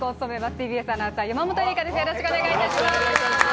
ＴＢＳアナウンサー、山本恵里伽です。